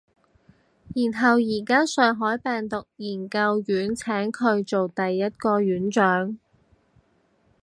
然後而家上海病毒研究院請佢做第一個院長